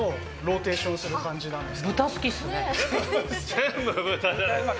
全部豚じゃない。